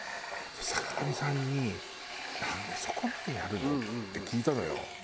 坂上さんに「なんでそこまでやるの？」って聞いたのよ。